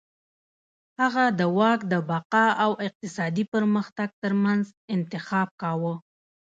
هغه د واک د بقا او اقتصادي پرمختګ ترمنځ انتخاب کاوه.